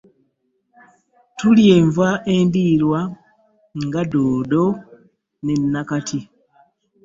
Tulya enva endiirwa nga doodo ne nnakati.